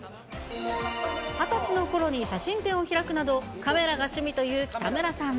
２０歳のころに写真展を開くなど、カメラが趣味という北村さん。